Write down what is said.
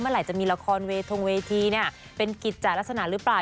เมื่อไหร่จะมีละครทรงเวทีเป็นกิจจากลักษณะหรือเปล่า